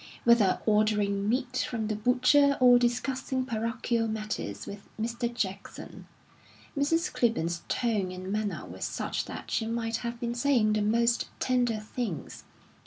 Whether ordering meat from the butcher or discussing parochial matters with Mr. Jackson, Mrs. Clibborn's tone and manner were such that she might have been saying the most tender things.